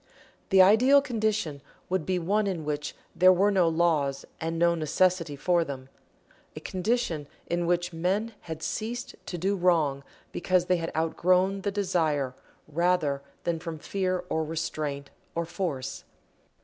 The ideal condition would be one in which there were no laws and no necessity for them a condition in which men had ceased to do wrong because they had outgrown the desire rather than from fear or restraint or force.